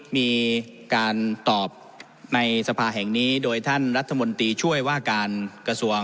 มีการตอบในสภาแห่งนี้โดยท่านรัฐมนตรีช่วยว่าการกระทรวง